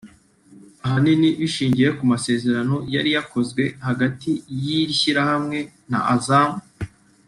ahanini bishingiye ku masezerano yari yakozwe hagati y’iri shyirahamwe na Azam